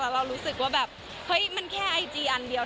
เรารู้สึกว่าแบบเฮ้ยมันแค่ไอจีอันเดียว